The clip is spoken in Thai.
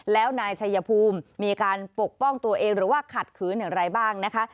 แล้วนายชัยภูมิมีการปกป้องตัวเองหรือว่าขัดขืนอย่างไรบ้างนะคะ